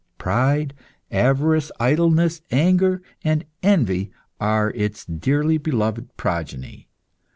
Pride, avarice, idleness, anger, and envy are its dearly beloved progeny.